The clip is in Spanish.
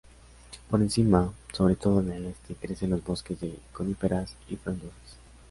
Por encima, sobre todo en el este, crecen los bosques de coníferas y frondosas.